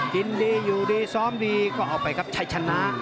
ยินดีอยู่ดีซ้อมดีก็เอาไปครับชัยชนะ